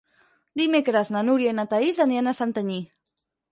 Dimecres na Núria i na Thaís aniran a Santanyí.